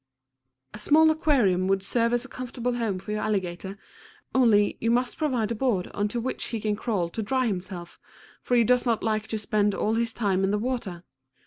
A small aquarium would serve as a comfortable home for your alligator, only you must provide a board on to which he can crawl to dry himself, for he does not like to spend all his time in the water.